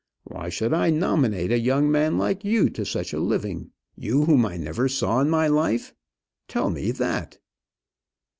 Why should I nominate a young man like you to such a living? you, whom I never saw in my life? Tell me that."